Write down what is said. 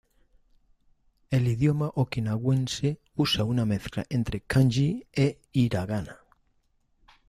El idioma okinawense usa una mezcla entre kanji y hiragana.